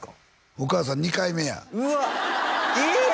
お母さん２回目やうわっえっ！？